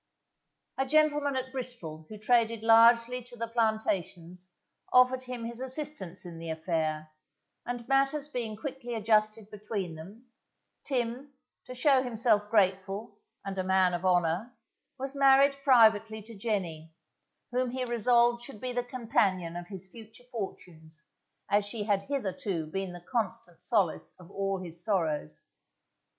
A gentleman at Bristol who traded largely to the plantations offered him his assistance in the affair, and matters being quickly adjusted between them, Tim, to show himself grateful, and a man of honour, was married privately to Jenny, whom he resolved should be the companion of his future fortunes, as she had hitherto been the constant solace of all his sorrows.